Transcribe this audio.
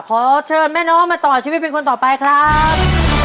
ขอเชิญแม่น้องมาต่อชีวิตเป็นคนต่อไปครับ